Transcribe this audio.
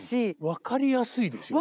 分かりやすいですよね。